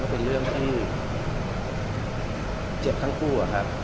เป็นเรื่องที่เจ็บทั้งคู่